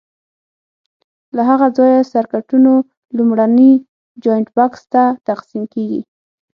له هغه ځایه سرکټونو لومړني جاینټ بکس ته تقسیم کېږي.